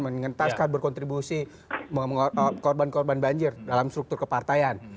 mengentaskan berkontribusi korban korban banjir dalam struktur kepartaian